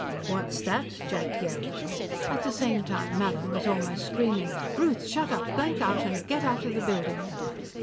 "What's that?" Jack yelled. At the same time, Mallin was almost screaming: "Ruth! Shut up! Blank out and get out of the building!"